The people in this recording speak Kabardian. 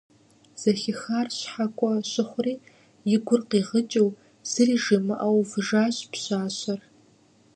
Зэхихар щхьэкӀуэ щыхьури, и гур къигъыкӀыу, зыри жимыӀэу увыжащ пщащэр.